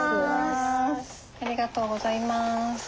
ありがとうございます。